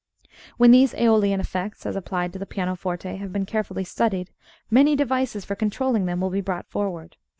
When these Eolian effects, as applied to the pianoforte, have been carefully studied, many devices for controlling them will be brought forward.